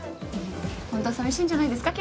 本当は寂しいんじゃないですか？